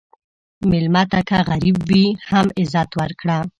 مېلمه ته که غریب وي، هم عزت ورکړه.